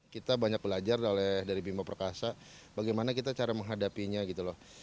kita banyak belajar dari bima perkasa bagaimana kita cara menghadapinya gitu loh